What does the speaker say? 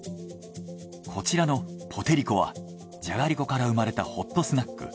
こちらのポテりこはじゃがりこから生まれたホットスナック。